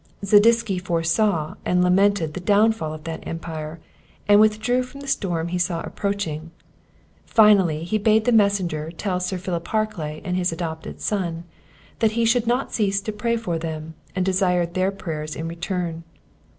Zadisky foresaw, and lamented the downfall of that Empire, and withdrew from the storm he saw approaching. Finally, he bade the messenger tell Sir Philip Harclay and his adopted son, that he should not cease to pray for them, and desired their prayers in return.